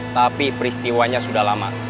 tapi peristiwanya sudah lama